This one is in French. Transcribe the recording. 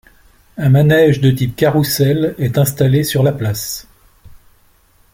Un manège de type carrousel est installé sur la place.